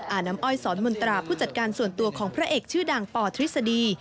น้ำอ้อยสอนมนตราผู้จัดการส่วนตัวของพระเอกชื่อดังปทฤษฎี